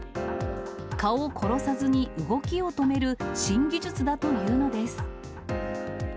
蚊を殺さずに動きを止める新技術だというのです。